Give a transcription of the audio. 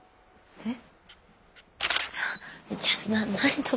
えっ。